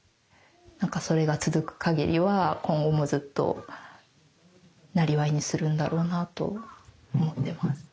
なんかそれが続くかぎりは今後もずっとなりわいにするんだろうなと思ってます。